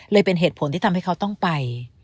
เป็นเหตุผลที่ทำให้เขาต้องไป